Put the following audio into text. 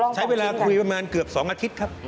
ใช้เวลาคุยประมาณเกือบ๒อาทิตย์ครับ